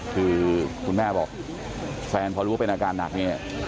คือคุณแม่บอกแฟนพอรู้ว่าเป็นอาการหนักเนี่ย